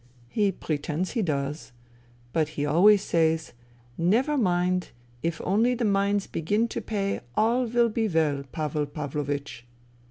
" He pretends he does. But he always says :' Never mind, if only the mines begin to pay all will be well, Pavel Pavlovich.'